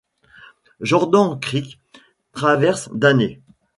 Jordan Creek traverse Danner.